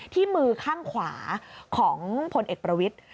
ที่มือข้างขวาของพลเอกประวิทธิ์